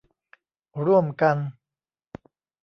ร่วมกัน